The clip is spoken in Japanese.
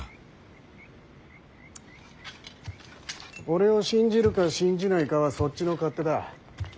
俺を信じるか信じないかはそっちの勝手だ。